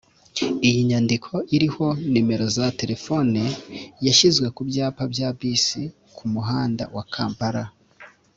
Iyi nyandiko iriho numero za telefone yashyizwe ku byapa bya bisi ku muhanda wa Kampala